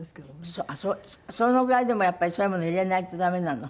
そのぐらいでもやっぱりそういうもの入れないとダメなの？